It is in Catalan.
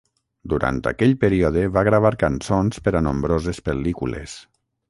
Durant aquell període va gravar cançons per a nombroses pel·lícules.